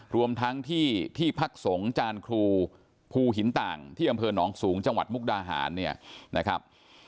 รวมทั้งที่ที่พักสงฆ์จานครูภูหินต่างที่อำเภอหนองสูงจังหวัดมุกดาหารเนี่ยนะครับ